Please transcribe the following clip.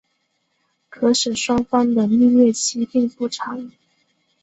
可使双方的蜜月期并不长。